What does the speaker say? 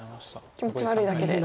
気持ち悪いだけで。